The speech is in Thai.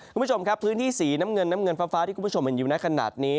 คุณผู้ชมครับพื้นที่สีน้ำเงินน้ำเงินฟ้าที่คุณผู้ชมเห็นอยู่ในขณะนี้